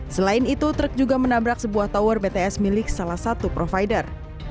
selain itu truk juga menabrak sebuah tower bts milik salah satu provider